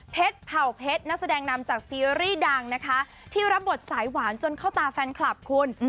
เผ่าเพชรนักแสดงนำจากซีรีส์ดังนะคะที่รับบทสายหวานจนเข้าตาแฟนคลับคุณ